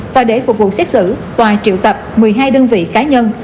và để phục vụ xét xử tòa triệu tập một mươi hai đơn vị cá nhân